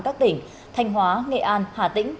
các tỉnh thanh hóa nghệ an hà tĩnh